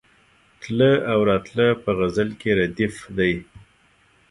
تله او راتله په غزل کې ردیف دی.